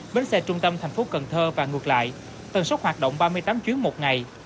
bến xe trung tâm thành phố cần thơ và ngược lại tần sốc hoạt động ba mươi tám chuyến một ngày